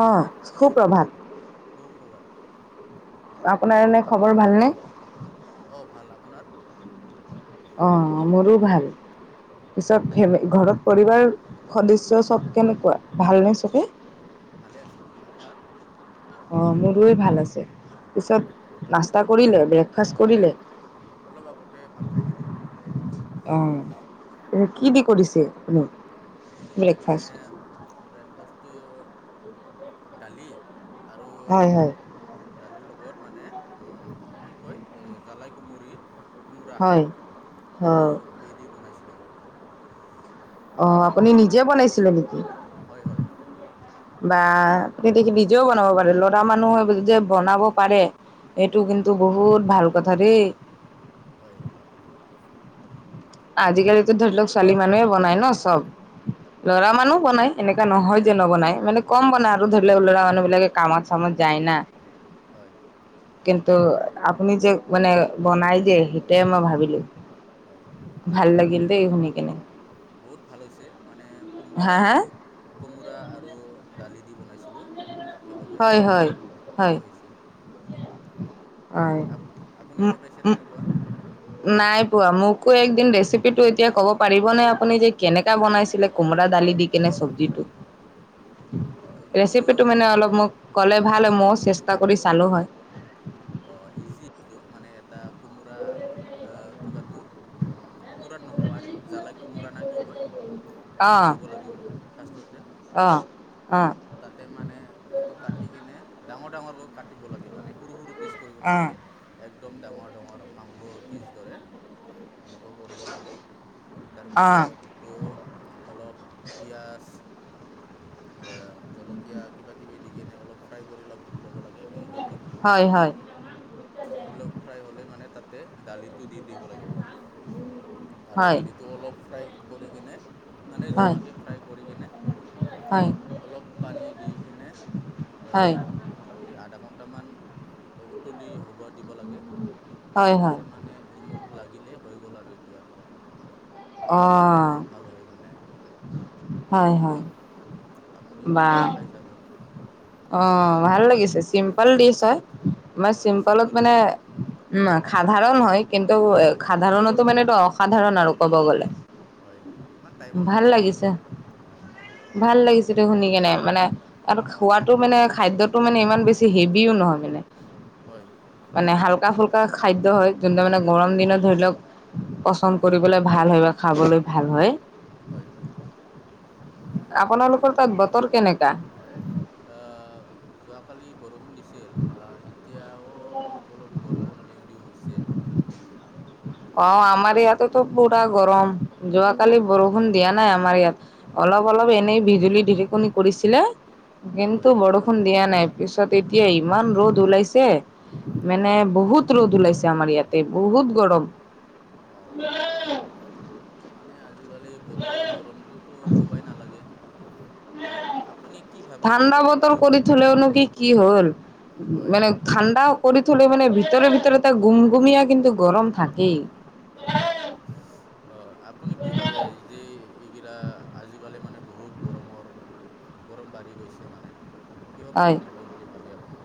অঁ' শু- প্ৰভাত। শুপ্ৰৰভাত। আপোনাৰ এনেই খবৰ ভালনে? অঁ' ভাল, আপোনাৰ? অঁ' মোৰো ভাল অঁ পিছত- ঘৰত পৰিবাৰ সদস্য চব কেনেকুৱা, ভালনে চবে? ভালে আছে। আপোনাৰ? অঁ' মোৰৱে ভাল আছে। পিছত নাস্তা কৰিলে, ব্ৰেকফাষ্ট কৰিলে? অলপ আগতে ভাত খাই দিলোঁ ডাইৰেক্ট। অঁ' কি দি কৰিছে আপুনি? অঁ' মানে ব্ৰেকফাষ্ট? ব্ৰেকফাষ্টটো দালি আৰু হয়, হয়, দালিৰ লগত মানে কি কয় জালাই কুমুৰি কোমোৰা হয়, হয়। সেইটো হে দি বনাইছিলোঁ মই। অঁ' আপুনি নিজে বনাইছিলে নেকি? হয় হয়। বা তে দে নিজেও বনাব পাৰে ল'ৰা মানুহৈ যে বনাব পাৰে এইটো কিন্তু বহুত ভাল কথা দেই। হয়। আজিকালিতো ধৰি লওক ছোৱালী মানুহে বনাই ন' চ'ব। হয় ল'ৰা হয় মানুহ বনাই। এনেকুৱা নহয় যে নবনাই মানে কম বনায় আৰু ধৰি লওক ল'ৰা মানুহ বিলাকে কামত চামত যায় না। হয়। কিন্তু আপুনি যে মানে বনাই যে সেইটোয়েই মই ভাবিলোঁ। হয়, বহুত, শুনি কেনে অঁ। বহুত ভাল হৈছে মানে কোমোৰা হা হা কোমোৰা আৰু দালি দি বনাইছিলোঁ একেলগে হয় হয় হয় ভালেই হৈছে। হয়। আপ-আপুনি খাই পাইছেনে এনেকুৱা? নাই পোৱা, মোকো একদিন ৰেচিপিটো এতিয়া ক'ব পাৰিবনে আপুনি যে কেনেকা বনাইছিলে কোমৰা দালি দি কেনে চব্জিটো? অঁ এইটোতো ৰেচিপিটো মানে অলপ মোক ক'লে ভাল হয় মইয়ো চেষ্টা কৰি চালো হয়। অঁ' ইজিটো মানে এটা কোমোৰা কিবাটো, উমঁ' পুৰাত নোহোৱা জালাই কুমোৰা না কি কয়? সেইটো অ'। ল'ব লাগিব ফাষ্টততে। অ', অ', তাতে মানে এইটো কাটি কেনে ডাঙৰ ডাঙৰকৈ কাটিব লাগে মানে সৰু পিছ কৰিব অ', নালাগে একদম ডাঙৰ ডাঙৰ মাংসৰ পিছ দৰে। সেনেকুৱাও কৰিব লাগে। অ', তাৰপিছত এইটো অলপ পিঁয়াজ আহ' জলকীয়া কিবা কিবি দি কিনে অলপ ফ্ৰাই কৰি ল ল'ব লাগে কোমোৰাটো। হয় হয়। ধৰি লগ ফ্ৰাই হ'লেই মানে তা তাতে দালিটো দি দিব লাগে অলপ আৰু হয়, দালিটো অলপ ফ্ৰাই কৰি কিনে মানে হয়, হয়, জমাকৈ ফ্ৰাই কৰিকেনে অলপ পানী দি কেনে হয়, অঁ'- মোটামুটি আধা ঘণ্টামান উতলি হ'ব দিব লাগে। হয়, হয়, তাতে মানে নিমখ লাগিলেই হৈ গ'ল আৰু এইটো আঞ্জা। সোৱাদ লাগে অ', বহুত ভাল হয় মানে। হয় হয়। আপুনি কেতিয়াবা খাই চাব। অঁ' ভাল লাগিছে, চিম্পল দিছ হয়, তোমাৰ হয় চিম্পলত ছিম্পলে মানে উমঁ' সাধাৰণ হয় কিন্তু সাধাৰণতো মানে এইটো অসাধাৰণ আৰু ক'ব গ'লে। হয়, ইমান টাইমো ভাল নালাগে এইটো লাগিছে, মানে হয়। ভাল লাগিছিলো শুনি কেনে মানে আৰু খোৱাটো মানে খাদ্যটো মানে ইমান বেছি হেভিও নহয় মানে। হয়। মানে হালকা ফুল্কা খাদ্য হয় যোনটো মানে গৰম দিনত ধৰি লওক পচন্দ কৰিবলৈ ভাল হয় বা খাবলৈ ভাল হয়। হয়, হয়। আপোনালোকৰ তাত বতৰ কেনেকা? আ, যোৱাকালি বৰষুণ দিছিল। আ, এতিয়াও অলপ অলপ বৰষুণ দিউ দিউ হৈছে আৰু অ', আমাৰ ইয়াতোতো পুৰা গৰম। যোৱাকালি বৰষুণ দিয়া নাই আমাৰ ইয়াত। অলপ অলপ এনেই বিজুলী ঢেৰেকণি কৰিছিলে। কিন্তু হয় বৰ ষুণ দিয়া নাই। পিছত এতিয়া ইমান ৰ'দ ওলাইছে। মানে বহুত ৰ'দ ওলাইছে আমাৰ ইয়াতে, বহুত গৰম। অ'। মানে আজিকালি বতৰ গৰমটোতো ক'বাই নালাগে। আ আপুনি কি ভাবে যে ঠাণ্ডা বতৰ বতৰটো কৰি থলেও নো কি কি হ'ল? হয় মানে হয় ঠাণ্ডাও কৰি থলে মানে ভিতৰে ভিতৰে তেও গুমগুমীয়া কিন্তু গৰম থাকেই। হয়। অ', আপুনি কি ভাবে যে এইকেইটা আজিকালি মানে বহুত গৰমৰ, গৰম বাঢ়ি গৈছে মানে। কিহৰ কাৰণে হয় বুলি ভাবে আপুনি?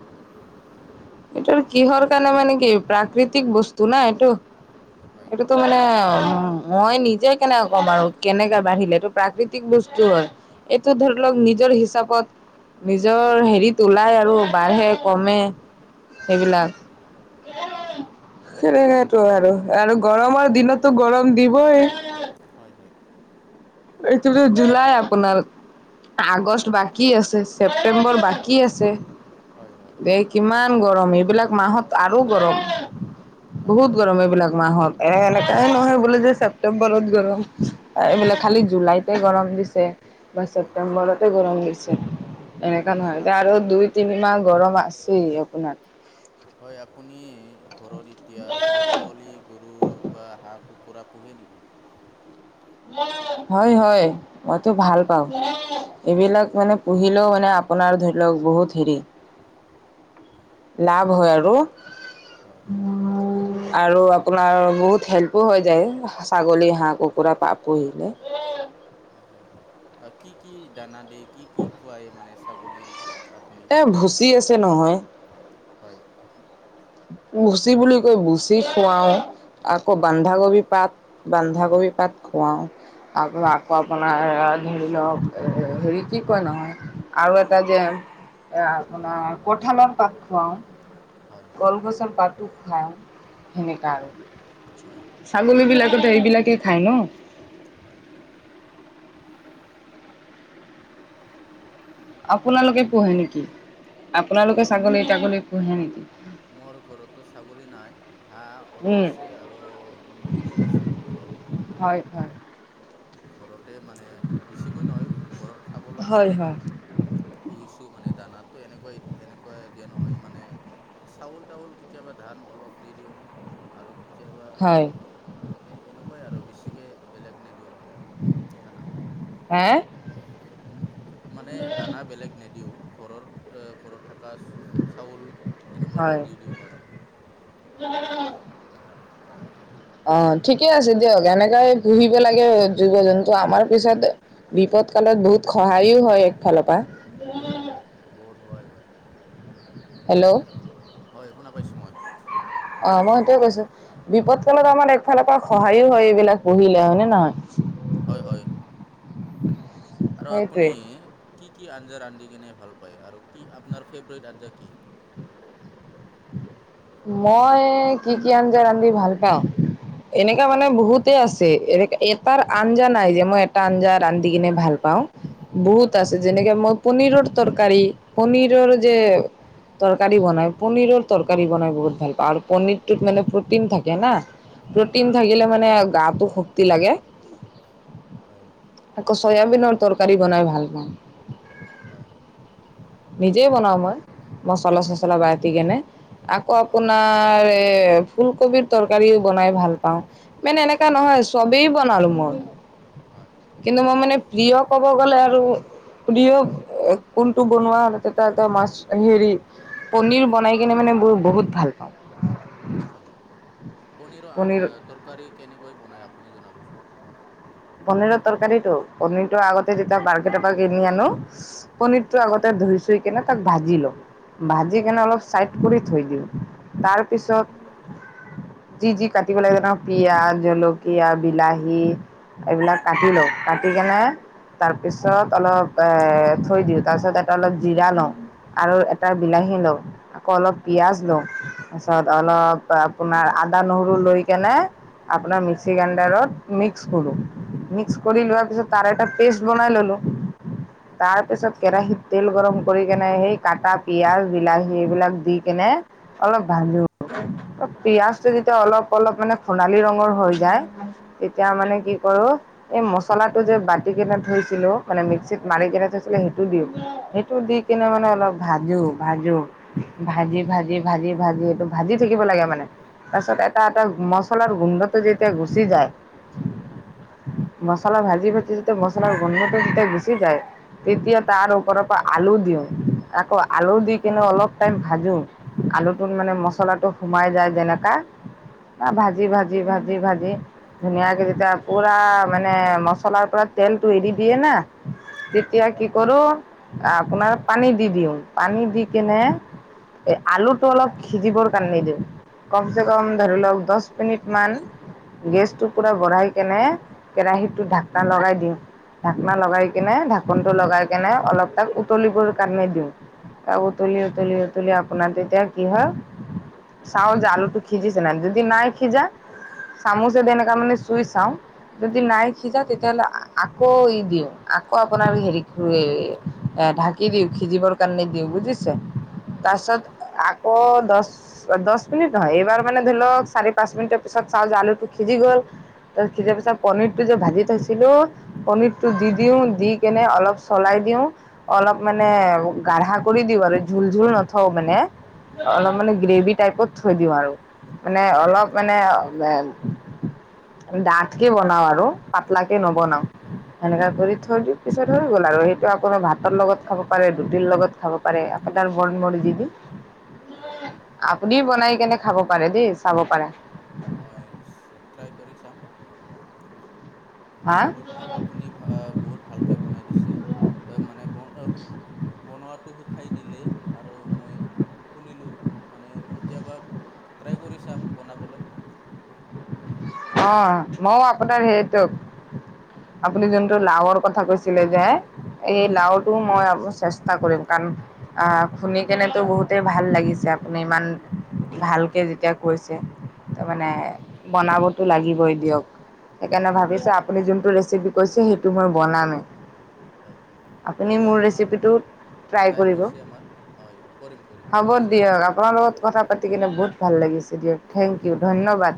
এইটোৰ কিহৰ কাৰণে মানে কি, প্ৰাকৃতিক বস্তু না এইটো। হয়। টো মানে, উম, মই নিজে কেনেকে ক'ম আৰু কেনেকে বাঢ়িলে? এইটো প্ৰাকৃতিক বস্তু হয়। এইটো ধৰি লওঁক নিজৰ হিচাপত নিজৰ হেৰিত ওলায় আৰু বাঢ়ে, কমে। হয় সেইবিলাক। সেইটোৱে আৰু। আৰু গৰমৰ দিনততো গৰম দিবই। হয়, হয়। হয় এইটো যে জুলাই আপোনাৰ, আগষ্ট বাকী আছে। ছেপ্তেম্বৰ বাকী আছে। হয় হয় বে কিমান গৰম, এইবিলাক মাহত আৰু গৰম। হয় হয় বহুত গৰম এইবিলাক মাহত। এ সেনেকা নহয়, সেইবুলি যে ছেপ্তেম্বৰত গৰম, এইবিলাক খালী জুলাইতে গৰম দিছে বা হয় হয় ছেপ্তেম্বৰতে গৰম দিছে। এনেকা হয় নহয়। আপ এতিয়া আৰু দুই, তিনি মাহ গৰম আছেই আপোনাৰ। হয়, আপুনি ঘৰত এতিয়া আছা গোৱালি গৰু বা হাঁহ-কুকুৰা পোহে নেকি? হয়, হয়। মইতো ভাল পাওঁ। হয় এইবিলাক মানে পুহিলেও মানে আপোনাৰ ধৰি লওঁক বহুত হেৰি লাভ হয় আৰু। হয় আৰু আপ আপোনাৰ বহুত হেল্প [unintelligible] হৈ যায়। ছাগলী, হাঁহ, কুকুৰা, পাৰ পুহিলে। হয়, হয়। অ', কি কি দানা দিয়ে, কি কি খোৱায় মানে ছাগলীক? আপুনি এ ভুচি আছে নহয়। হয়। ভুচি বুলি কয়। ভুচ চি খোৱাওঁ, আকৌ হয় বন্ধাকবি পাত, হয় বন্ধাকবি পাত খোৱাওঁ। [inaudible] অঁ আপোনাৰ ধৰি লওঁক, এ হেৰি কি কয় নহয়, আৰু এটা যে এ, আপোনাৰ কঠাঁলৰ পাত হয় খোৱাওঁ। কলগছ কল পাতো খোৱাওঁ, সেনেকুৱা আৰু। হয় হয় ছাগলীবিলাকতো এইবিলাকেই খায় ন? হয়। অ, আপোনালোকে পোহে নেকি? অ, আপোনালোকে ছাগলী তাগলী পোহে নেকি? মোৰ আৰু ঘৰতে ছাগলী নাই। হাঁহ অলপ উম আছে, আৰু মুৰ্গী আছে অলপ। হয়, হয়। ঘৰতেই মানে, বেছিকৈ নহয়, ঘৰত খাবলৈ হয় হয় পুহিছোঁ মানে, দানাতটো এনেকুৱা, এনেকুৱা দিয়া নহয় মানে চাউল-তাউল কেতিয়াবা ধান অলপ দি দিওঁ। আৰু কেতিয়াবা, হয় এই এনেকুৱাই আৰু, বেছিকৈ বেলেগ নেদ খানা হেঁ মানে দানা বেলেগ নেদিওঁ, ঘৰৰ, এ ঘৰত থাকা চ চাউল, এনেকুৱাটো হয় দি দিওঁ আৰু [inaudible] অ, ঠিকে আছে দিয়ক, এনেকাই পুহিব লাগে জীৱ- জন্তু, আমাৰ পিছত বিপদ কালত বহুত সহায়ো হয় একফালৰ পা। হয়, হয়, বহুত সহায় হয়। হেল্ল', হয় শুনা পাইছোঁ মই অ, মই সেইটোৱে কৈছো। বিপদ কালত আমাৰ একফালৰ পৰা সহায়ো হয় এইবিলাক পুহিলে, হয় নে নহয়? হয়, হয়। আৰু সেইটোৱে আপুনি কি কি আঞ্জা ৰান্ধি কিনে ভাল পায়, আৰু কি আপোনাৰ ফেভাৰেইট আঞ্জা কি? মই কি-কি আঞ্জা ৰান্ধি ভাল পাওঁ, এনেকা মানে হয় বহুত তে আছে। এটাৰ আঞ্জা নাই, যে মই এটা আঞ্জা ৰান্ধি কিনে ভাল পাওঁ। বহুত হয় আছে, যেনেকে মই পনীৰৰ তৰকাৰী, পনীৰৰ যে তৰকাৰী বনায় পনীৰৰ তৰকাৰী বনাই বহুত ভাল পাওঁ, আৰু পনীৰটোত মানে প্ৰটিন থাকে না। প্ৰটিন হয় থাকিলে মানে গাটো শক্তি লাগে। হয় আকৌ চয়াবিনৰ তৰকাৰী বনাই ভাল পাওঁ। হয় নিজেই বনাও মই, মচলা হয় হয় চচলা বাতি কেনে। আকৌ আপোনা অঁ নাৰ এ ফুলকবিৰ তৰকাৰীও বনাই ভাল পাওঁ মানে এনেকা হয় নহয় চবেই বনালো মই হয় কিন্তু মই মানে প্ৰিয় ক'ব গ'লে আৰু দিয়ক কোনটো বনোৱা [unintelligible] মাছ হেৰি, পনিৰ বনাই কিনে মানে বোৰ বহুত ভাল পাওঁ হয়, পনীৰৰ পনীৰ অ তৰকাৰী কেনেকৈ বনায়, আপুনি জনাবচোন। পনিৰৰ তৰকাৰীটো, পনিৰটো আগতে যেতিয়া মাৰ্কেটৰ পৰা কিনি আনো, পনিৰটো আগত তাক ধুই-চুই কিনে তাক ভাজি লওঁ। ভাজি কিনে হয় অলপ চাইদ কৰি থৈ দিওঁ। তাৰ পিছত হয় যি যি কাটিব লাগে ন' পিয়াজ, জলকীয়া, বিলাহী এইবিলাক কাটি লওঁ কাটি কেনে তাৰপিছত অলপ এ থৈ দিওঁ, তাৰপিছত তাতে অলপ জিৰা লওঁ। আৰু এটা বিলাহী লওঁ। আকৌ অলপ পিয়াজ লওঁ, তাৰপিছত অলপ আপোনাৰ আদা নহৰু লৈ কেনে আপোনাৰ মিক্সি গ্ৰাইণ্ডাৰত মিক্স কৰোঁ মিক্স কৰি হয় লোৱাৰ পিছত তাৰ এটা পেষ্ট বনাই ল'লো। হয় তাৰ পিছত কেৰাহিত তেল গৰম কৰি কেনে সেই কাটা পিয়াজ, বিলাহী এইবিলাক দি কেনে অলপ ভাজো। পিয়াজটো যেতিয়া অলপ অলপ মানে সোণালী ৰঙৰ হৈ যায়, তেতিয়া মানে কি কৰোঁ এই মছলাটো যে বাতি কেনে থৈছিলো, মানে মিক্সিত মাৰি কেনে থৈছিলে, সেইটো দিওঁ, সে টো দি হয় কিনে মানে অলপ ভাজো ভাজো ভাজো ভাজি ভাজি ভাজি ভাজি এইটো ভাজি থাকিব লাগে মানে তাৰ পিছত হয় এটা এটা মছলাৰ গোন্ধটো যেতিয়া গুচি যায়। হয়। মছলা ভাজি ভাজি যাতে মছলাৰ গণ্যত হয় তেতিয়া গুচি যায়। তেতিয়া তাৰ ওপৰৰ পৰা আলু দিওঁ আকৌ হয় আলু দি কিন্তু অলপ টাইম ভাজো আলুটোত মানে মছলাটো সোমাই যায় যেনেকা। না হয় হয় হয় হয় হয় হয় ভাজি ভাজি ভাজি ভাজি ধুনিয়াকে যেতিয়া পুৰা মানে মছলাৰ পৰা তেলটো এৰি দিয়ে না তেতিয়া কি কৰোঁ আপোনাৰ পানী দি দিওঁ, পানী দি কেনে এ আলুটো অলপ সিজিবৰ কাৰণে দিওঁ। কম চে কম ধৰি লওঁক দশ মিনিট মান গেছটো হয় পুৰা বঢ়াই কেনে কেৰাহীটো ঢাকটা লগাই দিওঁ। ঢাকনা লগাই কিনে ঢাকনটো লগাই কেনে অলপ টাইম উতলিবোৰ কানি দিওঁ। তা উতলি উতলি উতলি আপোনাৰ যেতিয়া কি হয় সাহজ আলুটো খিজিছে ন যদি নাই খিজা চামুচে তেনেকা মানে চুইচ চাওঁ। যদি নাই সিজা তেতিয়াহ'লে আকৌ ই দিওঁ আকৌ আপোনাৰ হেৰি এ কি দিওঁ সিজিবৰ কাৰণে দিওঁ বুজিছে হয় তাৰ পিছত আকৌ দশ দশ মিনিট নহয় এইবাৰ মান ধৰি লওঁক চাৰি পাঁচ মিনিটৰ পিছত চাওঁ আলুটো সিজি গ'ল। তাত সিজা পিছত পনিৰটো যে ভাজি থৈছিলো পনিৰটো হয় দি দিওঁ দি কেনে অলপ চলাই দিওঁ। অলপ মানে গাঢ়া কৰি দিওঁ আৰু ঝোল ঝোল নথওঁ মানে। অলপ মানে গ্ৰেভি টাইপত থৈ দিওঁ আৰু মানে অলপ মানে দাঠকে বনাও আৰু পাতলা কে নবনাও। সেনেকা কৰি থৈ দি পিছত হৈ গ'ল আৰু সেইটো আকৌ ভাতৰ লগত খাব পাৰে ৰুটিৰ লগত খাব পাৰে আপোনাৰ মন মৰ্জি দি। হয় আপুনি বনাই কেনে খাব পাৰে দেই চাব পাৰা। অইলছ চ' ট্ৰাই কৰি চাম। হা বহুত আ-আপুনি অ', বহুত ভালকে বনাই দিছে অ', মানে [unintelligible] বনোৱাটো শিকাই দিলে আৰু মই শুনিলোঁ মানে কেতিয়াবা ট্ৰাই কৰি চাম বনাবলৈ। অ ময়ো আপোনাৰ সেইটোক আপুনি যোনটো লাওৰ কথা কৈছিলে যে সেই হয় লাওৰ টো মই আকৌ চেষ্টা কৰিম কাৰণ শুন কেনেতো বহুতেই ভাল লাগিছে আপুনি ইমান হয় ভালকে যেতিয়া কৈছে। তাৰ মানে হয় বনাবতো লাগিবই দিয়ক সেইকাৰণে হয় ভাবিছো। আপুনি যোনটো ৰেচিপি কৈছে সেইটো মই বনামেই। হয় আপুনি এতিয়া মোৰ আমাৰ ৰেচিপিটো, ট্ৰাই টাইম কৰিব হৈছে আমাৰ হয় কৰিম কৰিম নিশ্চয় কৰিম। আপাৰ লগত কথা পাতি কিনে বহুত ভাল লাগিছে দিয়ক হয় থেংক ইউ ধন্যবাদ্